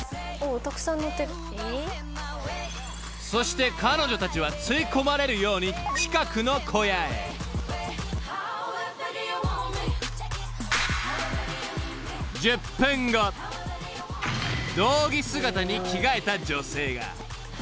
［そして彼女たちは吸い込まれるように近くの］［胴着姿に着替えた女性が］